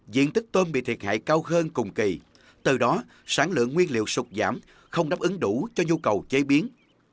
diện tích tôm bị thiệt hại cao hơn cùng kỳ từ đó sản lượng nguyên liệu sụt giảm không đáp ứng đủ cho nhu cầu chế biến